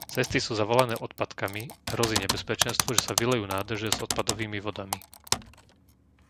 Cesty sú zavalené odpadkami hrozí nebezpečenstvo, že sa vylejú nádrže s odpadovými vodami.